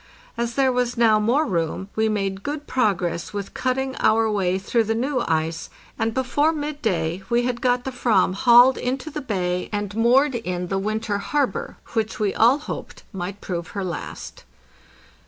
As there was now more room, we made cood progress with cutting our way through the new ice, and before midday we had got the "vam hauled into the bay and moored in the winter harbor which we all hoped might prove her last.